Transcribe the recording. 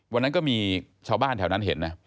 วันนั้นก็มีชาวบ้านแถวนั้นเห็นนะ